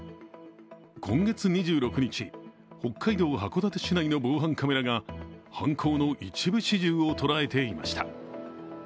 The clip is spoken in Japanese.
今月２６日、北海道函館市内の防犯カメラが犯行の一部始終を捉えていました。